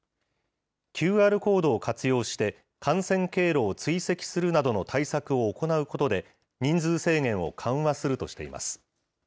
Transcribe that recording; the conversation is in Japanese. ＱＲコードを活用して、感染経路を追跡するなどの対策を行うことで、人数制限を緩和するとしています。